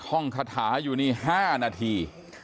ท่องคาถาอยู่นี่๕นาที